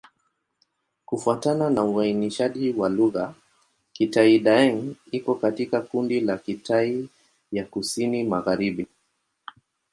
Kufuatana na uainishaji wa lugha, Kitai-Daeng iko katika kundi la Kitai ya Kusini-Magharibi.